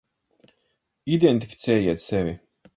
Identificējiet sevi.